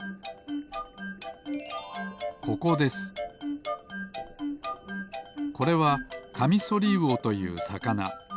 ここですこれはカミソリウオというさかな。